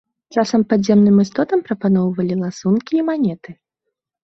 Часам падземным істотам прапаноўвалі ласункі і манеты.